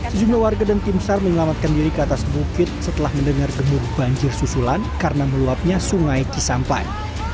sejumlah warga dan tim sar menyelamatkan diri ke atas bukit setelah mendengar gemur banjir susulan karena meluapnya sungai cisampai